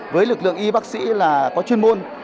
với lực lượng y bác sĩ có chuyên môn